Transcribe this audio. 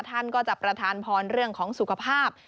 ท่านก็จะประทานพรเรื่องของสุขภาพ